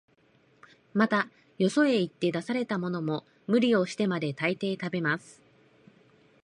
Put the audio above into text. また、よそへ行って出されたものも、無理をしてまで、大抵食べます